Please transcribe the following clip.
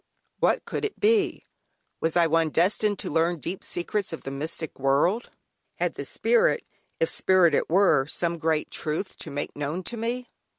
What could it be? Was I one destined to learn deep secrets of the mystic world? Had the spirit, if spirit it were, some great truth to make known to me?